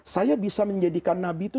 saya bisa menjadikan nabi itu